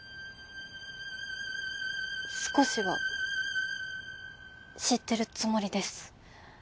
少しは知ってるつもりです。